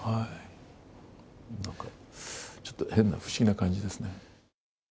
なんか、ちょっと変な、不思議な感じですね。